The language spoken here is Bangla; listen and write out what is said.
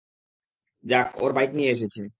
যাক ও ওর বাইক নিয়ে এসেছে।